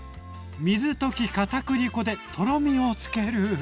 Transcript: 水溶きかたくり粉でとろみをつける。